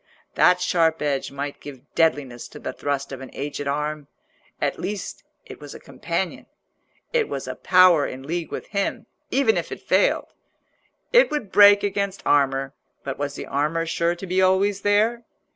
That sharp edge might give deadliness to the thrust of an aged arm: at least it was a companion, it was a power in league with him, even if it failed. It would break against armour, but was the armour sure to be always there?